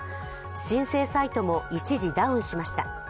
申請サイトも一時ダウンしました。